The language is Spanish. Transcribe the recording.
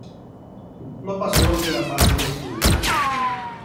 No pasó de la fase de estudio.